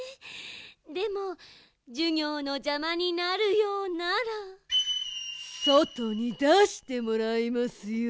でもじゅぎょうのじゃまになるようならそとにだしてもらいますよ。